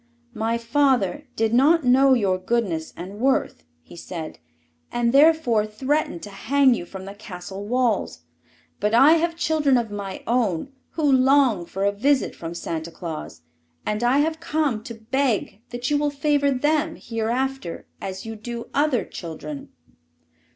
"My father did not know your goodness and worth," he said, "and therefore threatened to hang you from the castle walls. But I have children of my own, who long for a visit from Santa Claus, and I have come to beg that you will favor them hereafter as you do other children."